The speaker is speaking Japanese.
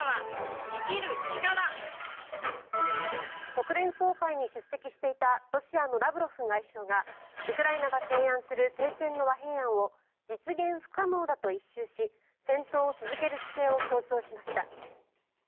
国連総会に出席していたロシアのラブロフ外相がウクライナが提案する停戦の和平案を実現不可能だと一蹴し戦闘を続ける姿勢を強調しました。